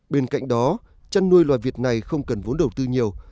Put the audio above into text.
bên cạnh đó chăn nuôi loài việt này không cần vốn đầu tư nhiều